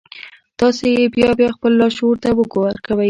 تاسې يې بيا بيا خپل لاشعور ته ورکوئ.